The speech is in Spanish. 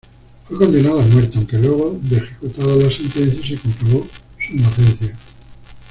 Fue condenado a muerte, aunque luego de ejecutada la sentencia se comprobó su inocencia.